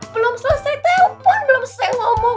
belum selesai telepon belum saya ngomong